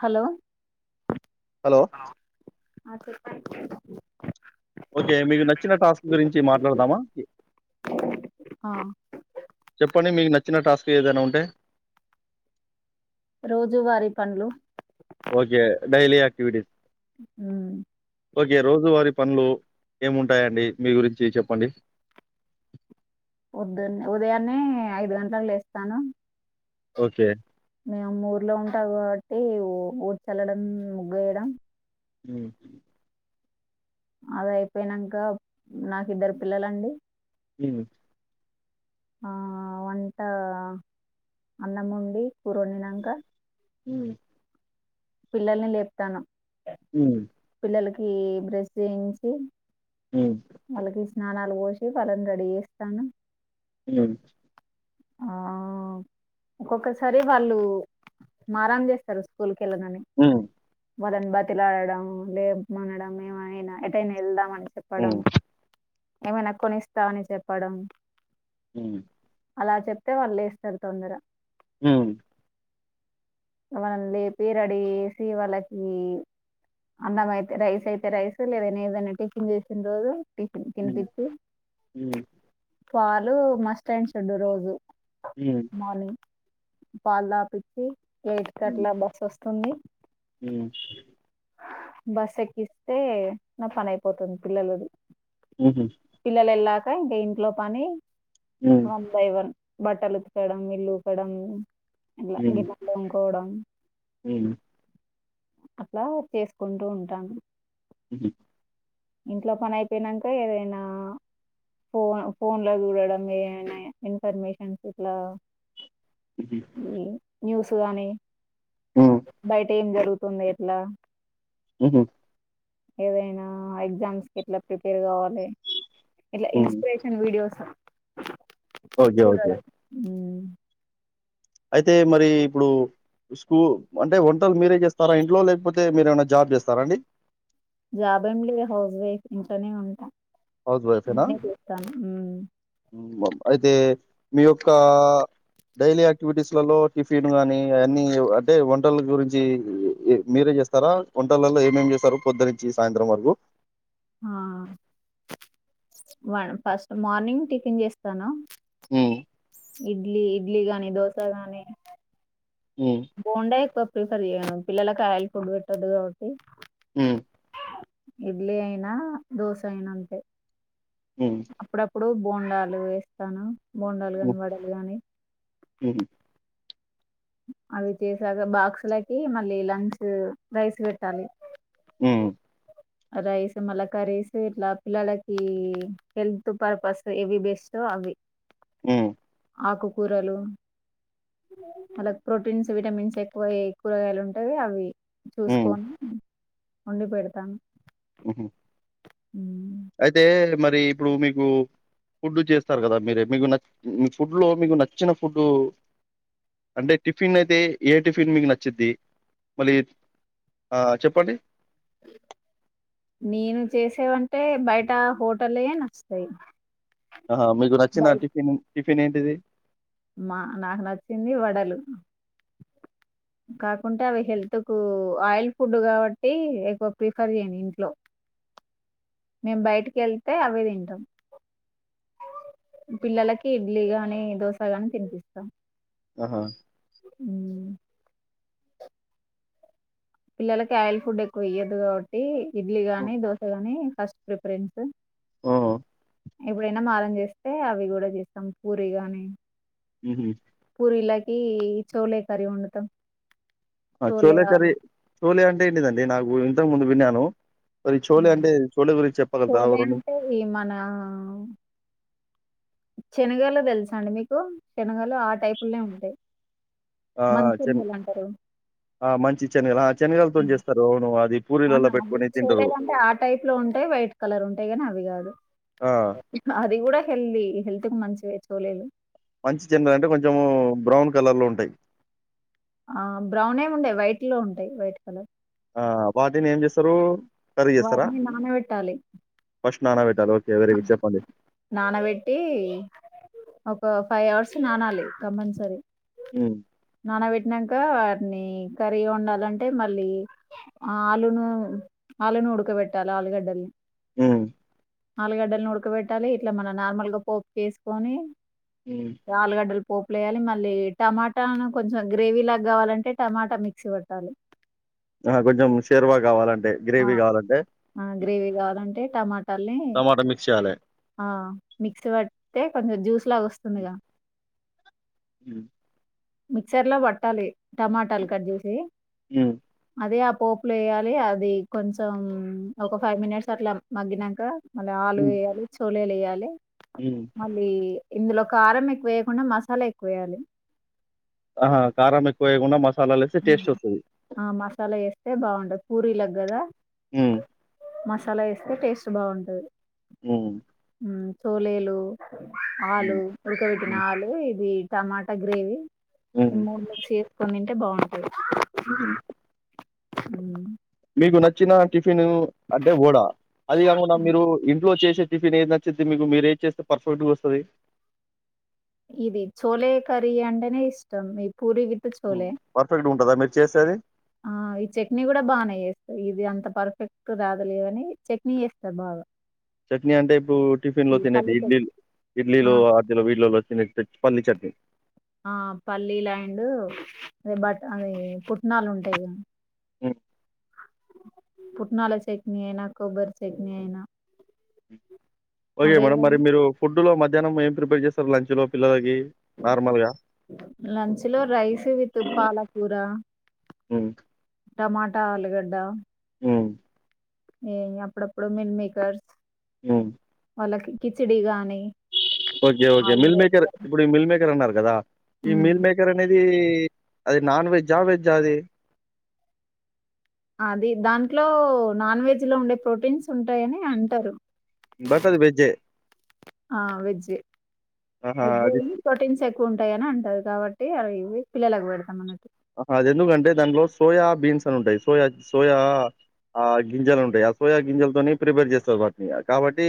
Hello hello అ సే క్ ఓకే మీకు నచ్చిన టాస్క్ గురించి మాట్లాడదామా చెప్పండి మీకు నచ్చ చిన్న టాస్క్ ఏదైనా ఉంటే రోజు వారి పండ్లు ఓకే. డైలీ ఆక్టివిటీస్ అఓకే రోజువారి పనులు ఏముంటాయండి మీ గురించి చెప్పండి వద్దున్న ఉదయాన్నే ఐదు గంటలకు లేస్తాను ఓకే. మేము ఊర్లో ఉంటాం కాబట్టి ఊడ్ చల్లడం ముఖయడం హ అద అయిపోయినాక నాకుద్దరు పిల్లలండి అ ఆ వంట అన్నం ఉండి కూరొనినాక హ పిల్లల్ని లేపుతాను అ బ్రశించంచి హ్మ్. అలాగే స్నానాలు పోసి వాళ్ళని రెడీ చేస్తాను లే ఆ ఒక్కొక్కసారి వాళ్ళు మారాన్ చేస్తారు స్కూల్ కల ననే హ్మ్. వొదని బతిలాడడం లే మనడం ఏమైనా ఎటైనా వెళ్దాం కష్టప్పడం ఏమైనా కొనిస్తా అని చెప్పడం అ అలా చెప్తే వాళ్ళు వస్తారు తొందర హ మనల్ పేరడేసి వాళ్ళకి అన్నం అయితే రైస్ అయితే రైస్ లేదైనా ఏదైనా టిచిన్ చేసిన రోజు టిఫన్ హ్మ్. తినిపిచ్చు హ్మ్. పాలు మస్ట్ అయిన చడు రోజు హ్మ్. హ్మ్. మని పాలా పిచ్చి ఇ ఇట్కట్లా బస్స్త తొమ్మిది ఊ బస్ ఎక్కిస్తే నా పని అయిపోతుంది పిల్లలను హుహు. పిల్లలు ఎల్లాక ఇంకా ఇంట్లో పని హ్మ్. వన్ బై వన్ బట్టలు ఉతకడం ఇల్లు ఊకడం ఇలా గిలా కోవడం ఉహు అట్లా చేసుకుంటూ ఉంటాను ఉహు ఇంట్లో పని అయిపోయినంక ఏదైనా ఫోన్ ఫోన్ లో చూడడం ఏదైనా ఇన్ఫర్మేషన్స్ ఇట్లా హుహు. న్యూస్ న్యూస్ గాని హ్మ్. బయట ఏం జరుగు జరుగుతుందో ఎట్లా ఉఓహ ఏవైనా ఎగ్జామ్స్ కి ఎట్లా ప్రిపేర్ కావల్ల ఇట్లా హ్మ్. Inspiration videos okay. ఓకే. చూడడం ఊ అయితే మరి ఇప్పుడు స్కూ అంటే వంటలు మీరే చేస్తారా ఇంట్లో లేకపోతే మీరు ఏమైనా జాబ్ చేస్తారా అండి జాబ్ ఏం లేదు హౌస్ వైఫ్ ఇంట్లోనే ఉంటా హౌస్ వైఫ్ ఏనా నేనే చేస్తాను మ్మ్ అయితే మీ యొక్క డైలీ యాక్టివిటీస్లలో టిఫిన్ కానీ అన్నీ అంటే వంటల గురించి మీరే చేస్తారా వంటలలో ఏమేమి చేస్తారు పొద్దున నుంచి సాయంత్రం వరకు ఆ వా ఫస్ట్ మార్నింగ్ టిఫిన్ చేస్తాను ఉ ఇడ్లీ ఇడ్లీ గాని దోస గాని హ్మ్ బోండాయి పప్ ప్రిఫర్ చేయను పిల్లలకి ఆయిల్ ఫుడ్ పెట్టద్దు కాబట్టి హ్మ్ ఇడ్లీ అయినా దోశ అయిన అంతే హ్మ్ అప్పుడప్పుడు బోండాలు వేస్తాను బోండాలు హ్మ్ కాని వడలు గాని హ్మ్ అవి చేసాక బాక్స్ లకి మళ్ళీ లంచ్ రైస్ పెట్టాలి ఉ రైస్ మల్లా కర్రీస్ ఇట్లా పిల్లలకి హెల్త్ పర్పస్ ఏవి బెస్టో అవి హ్మ్ ఆకుకూరలు ఆళ్లకు ప్రోటీన్స్ విటమిన్స్ ఎక్కువ ఏం కూరగాయలు ఉంటాయో అవి హ్మ్. చూసుకోని ఉండిపోయితాను హుహు హ అయితే మరి ఇప్పుడు మీకు ఫుడ్ చేస్తారు కదా మీరే మీకు నచ్చ ఫుడ్లో మీకు నచ్చిన ఫుడ్డు అంటే టిఫిన్ అయితే ఏ టిఫిన్ మీకు నచ్చిద్ది మళ్ళీ ఆ చెప్పండి ంటే బయట హోటల్ల ఏ నచ్చుతాయి ఆహా మీకు నచ్చిన బయట టిఫిన్ టిఫిన్ ఏంటిది మా నాకు నచ్చింది వడలు కాకుంటే అవి హెల్త్ కు ఆయిల్ ఫుడ్ కాబట్టి ఎక్కువ ప్రిఫర్ చేయను ఇంట్లో మేము బయటికి వెళ్తే అవి తింటాం పిల్లలకి ఇడ్లీ గాని దోశ గాని తినిపిస్తాం ఆహా అ పిల్లలకి ఆయల్ ఫుడ్ ఎక్కువ ఇయ్యదు కాబట్టి ఇడ్లీ హ్మ్. గాని దోశ గాని ఫస్ట్ ప్రిఫరెన్స్ ఓ ఎప్పుడైనా మారం చేస్తే అవి కూడా చేస్తాం పూర గాని మ్ హు వీళ్ళకి చౌలే కరీ వండుతాం చోలే కర్రి చోలే అంటే ఏంటిదండి నాకు ఇంతకు ముందు విన్నాను మరి చోలే ఉమ్. అంటే చోలే గురించి చెప్పగలుగుతారా ఓ చోలే రెండు అంటే ఈ మన శనగలు తెలుసా అండి మీకు శనగలు ఆ టైపులనే ఉంటాయి ఆ చెన్ మంచనిగలు అంటారు. ఆ మంచి శనగలు ఆ శనగలతోని చేస్తారు అవును అది ఆహ పూరీలలో అవి పెట్టుకొని తింటరు. చేయలేదంటే ఆ టైప్ లో ఉంటాయి వైట్ కలర్ ఉంటాయి కాని అవి కాదు ఆ అది కూడా హెల్దీ హెల్త్ కు మంచివే చోలేలు మంచి చిన్నలు అంటే కొంచెము బ్రౌన్ కలర్ లో ఉంటాయి ఆ బ్రౌన్ ఏమి ఉంటాయి వైట్ లో ఉంటాయి వైట్ కలర్ ఆ వాటిని ఏం చేస్తారు కర్రీ వాటిని నానబెట్టాలి నానాబె నానబెట్టి అ ఫైవ్ అవర్స్ నానాలి కంపల్సరీ హు నానబెట్టినాక వారిని కర్రీగా వండాలంటే మళ్ళీ ఆలును ఆలును ఉడకబెట్టాలి ఆలుగడ్డల్ని హు ఆలుగడ్డలను ఉడకబెట్టాలి ఇట్లా మన నార్మల్ గా పోపు వేసుకొని హ్మ్. ఆలుగడ్డలు పోప్ లేయాలి మళ్ళీ టమాటాను కొంచెం గ్రేవీ లాగా కావాలంటే టమాటా మిక్సీ పట్టాలి ఆ కొంచెం షేర్వా కావాలంటే ఆ! గ్రేవీ కావాలంటే ఆ! గ్రేవీ కావాలంటే టమాటాల్ని టమాటా మిక్ విషాల ఆ మిక్సి పడితే కొంచెం జ్యూస్ లాగా వస్తుందిగా ఉ మిక్సర్ లో పట్టాలి టమాటాలు కట్ చేసీ హమ్ అదే ఆ పోపులు వేయాలి. అవి కొంచెం ఒక ఫైవ్ మినిట్స్ అట్ల మగ్గి నంకా ఆలు హ్మ్. యాలు చోట్ లె ఏయాలె హ్మ్. మల్లీ ఇందులొ కారం ఎక్కువేయకుండ మసాలెక్కువేయ్యాలి ఆహా! కారం ఎక్కువ వేయకుండా మసాలాలేస్తే టేస్ట్ వస్తది. ఆ మసాల ఏస్తే బాగుండదు పూరీలక్ గదా హమ్ మసాల ఏస్తె, టేస్ట్ బాగుంటది హమ్ హమ్ తోలేలూ ఆలూ హ్మ్. ఉడుక బెట్టిన హ్మ్. ఆలూ ఇదీ తమాట గ్రేవి హ్మ్. మూడ్ల చేసుకొని ఎబౌట్ ఆ ఉ ఊహ్. మీకు నచ్చనా టి ఫినూ అంటె వొడా అది గాకుండా మీరూ ఇంట్లో చేసే టిఫిన్ ఏది నచ్చుద్ది మీకు మీరేంచేస్తె పర్ఫెక్ట్ గ వొస్తది ఇది చోలే కర్రీ అంటెనే ఇష్టం మీ ఇప్పుడూ పర్ఫెక్ట్ గ ఉంటదా మి చేసేది ఆ ఈ చట్ని గుడ బాగనే చేేస్త ఇది అంత పర్ఫెక్ట్ రాదులే గనీ చట్ని చేస్త బాగ చట్నీ అంటే ఇప్పుడూ టిఫిన్ లో పల్లీ తినేటి చట్ ఇడ్లీలు ఆ ఇడ్లీలో ఆదిలో వీడ్లో నీకు తెచ్చి ఫల్లి చట్ని ఆ ఫల్లీలు అండ్ బఠాణీ పుట్నాలుంటయి ది హమ్ పుట్నలా చట్నీ అయిన కొబ్బరి చట్నీ అయినా ఓకె అవే మేడం మరి మీరూ ఫుడ్ లొ మధ్యాహనం ఏం ప్రిపేర్ జేస్తరు లంచ్ లో పిల్లకీ లంచ్ లో రైస్ విత్ పాలకూర హమ్ టమాటా ఆలుగడ్డ ఉ ఏ అ అప్పుడప్పుడు మీల్ మేకర్స్ ఉ వాళ్ళకి కిచడి గాని ఓకే ఓకే ఆలు రైస్ మిల్మేకర్ గాని ఇప్పుడు మిల్మేకర్ అన్నారు గదా ఈ ఉమ్. మీల్ మేకర్ అనే అది నాన్వెజా వెజా అది అది దాంట్లో నాన్ వెజ్ లో ఉండే ప్రోటీన్స్ ఉంటాయని అంటారు బట్ అది వెజ్జే. ఆ వెజ్ ఆహా! వెజ్జ అది కానీ ప్రోటీన్స్ ఎక్కువ ఉంది ఎక్కువ ఉంటాయ అని అంటారు కాబట్టి అవి పిల్లలకు పెడతాం అన్నట్టు అది ఎందుకంటే దాంట్లో సోయా బీన్స్ అని ఉంటాయి సోయా సోయా ఆ గింజలు ఉంటాయి ఆ సోయా గింజలతోని ప్రిపేర్ చేస్తారు వాటిని కాబట్టి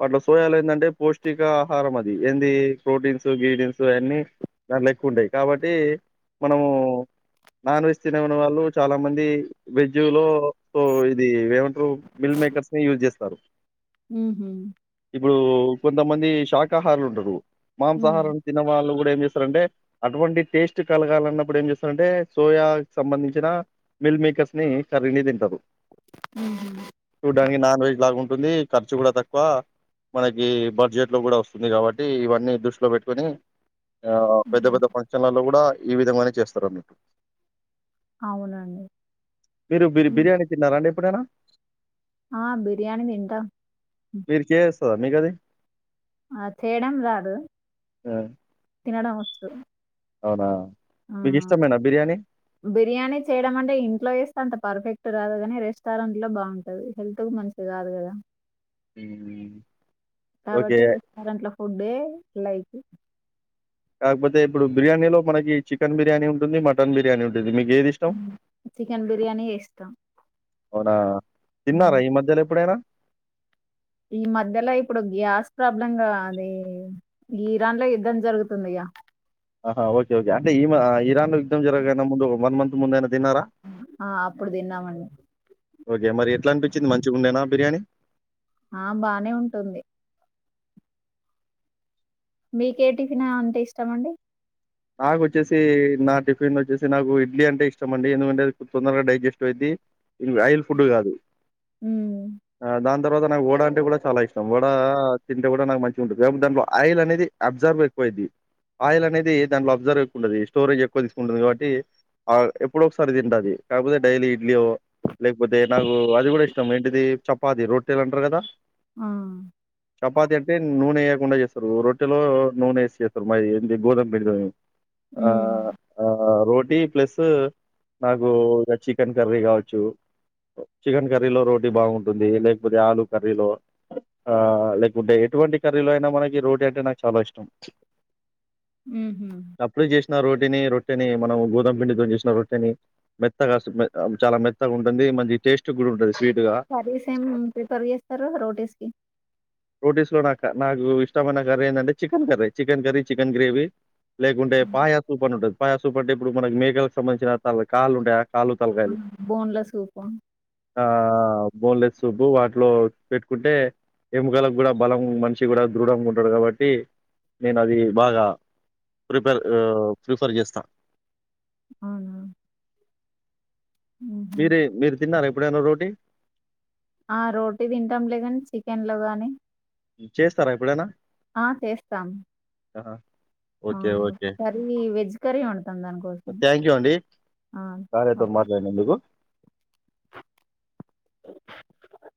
వాటిలో సోయాలు ఏంటంటే పౌష్టికా ఆహారం అది ఏంది ప్రోటీన్స్ గ్రీడియన్స్ అన్నీ దాట్లో ఎక్కువ ఉంటాయి కాబట్టి మనము నాన్ వెజ్ తినేని వాళ్ళు చాలా మంది వెజ్ లో సో ఇది ఏమ మిల్ మేకర్స్నే యూజ్ చేస్తారు సారు ఊహూ కొంతమంది శాకాహారులు ఉంటారు ఉమ్, మాంసాహారం తినని వాలు ఏం చేస్తారంటే అటువంటి టేస్ట్ కలగాలన్నప్పుడు ఏం చేస్తారు అంటే సోయా సంబంధించిన మిల్ మేకర్స్ ని కర్రీని తింటారు ఊ చూడడానికి నాన్ వెజ్ లాగా ఉంటుంది ఖర్చు కూడా తక్కువ మనకి బడ్జెట్లో కూడా వస్తుంది కాబట్టి ఇవన్నీ దృష్టిలో పెట్టుకొని ఆ పెద్ద ఉమ్. పెద్ద ఫంక్షన్లలో కూడా ఈ విధముగా నే చేస్త అన్నట్టు అవునండి మీరు బి ఉమ్. బిర్యానీ తిన్నారా అండి ప్పుడేనా ఆ బిర్యాణి తింటా దా మీ కది ఆ చేయడం రాదు ఆ! తినడం వచ్చు అవునా ఆ మీకిష్టమేనా బిర్యానీ? బిర్యానీ చేయడం అంటే ఇంట్లో వేస్తే అంత పర్ఫెక్ట్ రాదుగాని రెస్టారెంట్ లో బాగుంటది హెల్త్ కు మనిషది కాదు కదా హ్మ్. ఓకే. కాబట్టి రెస్టారెంట్ లో ఫుడ్డ లైక్ కాకపోతే ఇప్పుడు బిర్యానీలో మనకి చికెన్ బిర్యానీ ఉంటుంది మటన్ బిర్యానీ ఉంటుంది మీకు ఏది ఇష్టం? చికెన్ బిర్యానీ ఇష్టం అవునా. విన్నారా ఈ మధ్యలో ఎప్పుడైనా. ఈ మధ్యలో ఇప్పుడు గ్యాస్ ప్రాబ్లంగా అది ఇరాన్ లో యుద్ధం జరుగుతుందిగా. ఆహ్ ఓకే ఓకే అంటే ఇమ ఇరాన్ లో యుద్ధ. యుద్ధం జరగకనముందు వన్ మంత్. ముందైనత్. ఆహ్ అప్పుడు తిన్నామండి. ఆహ్ మరి ఎట్లా అనిపించింది మంచిగా ఉండేనా. బిర్యానీ. ఆహ్ బానే ఉంటుంది. మీకే టిఫిన్ అంటే ఇష్టము అండి. నాకు వచ్చేసి నా టిఫిన్ వచ్చేసి నాకు ఇడ్లీ అంటే ఇష్టం అండి. ఎందుకంటే తొందరగా డైజెస్టివ్ అయ్యిద్ది. ఇది ఆయిల్ ఫుడ్ కాదు ఉమ్ దాంతో. తర్వాత నాకు వడ అంటే కూడా చాలా ఇష్టం. వడ తింటే కూడా నాకు మంచిగుంటుంది. ఏమి అంటే దాంట్లో ఆయిల్ అనేది అబ్జార్బ్ ఎక్కువ అయ్యొది. ఆయిల్ అనేది దాంట్లో అబ్జర్వ్ ఎక్కువ ఉంటది. స్టోరేజ్ ఎక్కువ తీసుకుంటుంది. కాబట్టి ఎప్పుడో ఒకసారి తింటా అది. కాకపోతే డైలీ ఇడ్లీ ఓ లేకపోతే నాకు అది కూడా ఇష్టం ఏంటిది చపాతి రొట్టలు అంటారు కదా. ఆ చపాతి అంటే నూనె వేయక్. కుండా చేస్తారు రొట్టలో నూనె వేసి చేస్తారు. మాది ఏంది గోధుమ. వెళ్దాం. ఉమ్ రోటీ ప్లస్ నాకు చికెన్ కర్రీ కావచ్చు. చికెన్ కర్రీలో రోటీ బాగుంటుంది. లేకపోతే ఆలు కర్రీలో ఆహ్ లేకుంటే ఎటువంటి కర్రీలో అయినా మనకి రోటీ అంటే నాకు చాలా ఇష్టం. ఉహు రొట్టిని రొట్టెని మనం గోధుమ పిండితోని చేసిన రొట్టెని మెత్తగా చాలా మెత్తగా ఉంటుంది. మంచి టేస్ట్ కూడా ఉంటది. స్వీట్‌గా. కర్రీస్ ఏం ప్రిఫర్ చేస్తారు రోటీస్ కి. రోటీస్ లో నాకు నాకు ఇష్టమైన కర్రీ ఏందంటే chicken curry. Chicken curry, chicken gravy. లేకుంటే పాయా సూప్ అని ఉంటది. పాయా సూప్ అంటే ఇప్పుడు మన మేకలకు సంబంధించిన తల కాళ్లు ఉంటాయ. బోన్లా సూపా. ఆహ్ బోన్ లేస్ సూప్ వాటిలో పెట్టుకుంటే. ఎముకలకు కూడా బలం మనిషి కూడా దృఢంగా ఉంటాడు. కాబట్టి నేను అది బాగా ప్రిపర్ ప్రిఫర్ చేస్తా. అవునా. ఉహు మీరే మీరు తిన్నారా ఎప్. ఎప్పుడైనా రోటి. ఆహ్ రోటీ తింటాం లే గాని చికెన్ లో కాని. చేస్తారా ఎప్పుడేనా. ఆహ్ ఆహ్ కర్రీ వెజ్ కర్రీ వండుతాం. దానికోసం థ్యాంక్ యూ అండి. ఆహ్ కార్యతో ఓకే. మాట్లాడినందుకు.